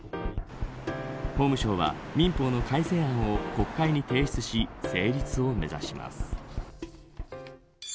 法務省は民法の改正案を国会に提出し成立を目指します。